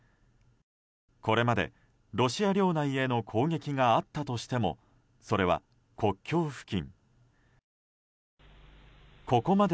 これまでロシア領内への攻撃があったとしてもそれは国境付近。